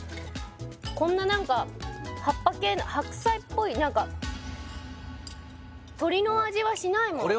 こんな何か葉っぱ系の白菜っぽい何か鶏の味はしないもん